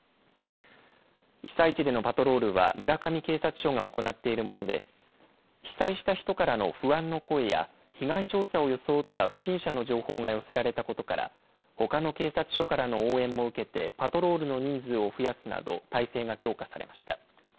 被災地でのパトロールは村上警察署が行っているもので、被災した人からの不安の声や、被害調査を装った不審者の情報が寄せられたことから、ほかの警察署からの応援も受けてパトロールの人数を増やすなど、態勢が強化されました。